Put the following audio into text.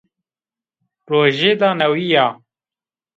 Rojêda newî ya